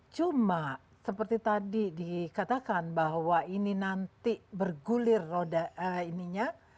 cuma seperti tadi dikatakan bahwa ini nanti bergulir roda ininya